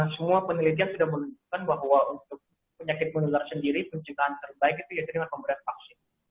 semua penelitian sudah menunjukkan bahwa untuk penyakit menular sendiri penciptaan terbaik itu yaitu dengan pemberian vaksin